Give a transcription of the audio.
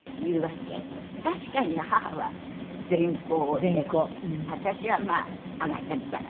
確かに母は全甲で私はまあ上がったり下がったり。